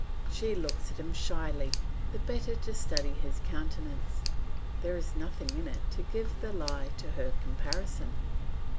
She looks at him shyly, the better to study his countenance; there is nothing in it to give the lie to her comparison.